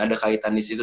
ada kaitan di situ